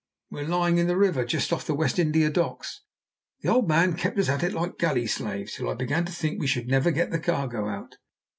"We're lying in the River just off the West India Docks. The old man kept us at it like galley slaves till I began to think we should never get the cargo out.